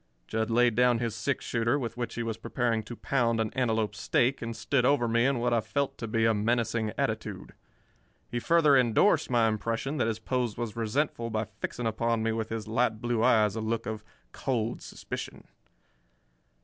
Jud laid down his six shooter, with which he was preparing to pound an antelope steak, and stood over me in what I felt to be a menacing attitude. He further endorsed my impression that his pose was resentful by fixing upon me with his light blue eyes a look of cold suspicion.